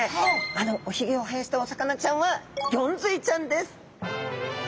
あのおひげを生やしたお魚ちゃんはゴンズイちゃんです！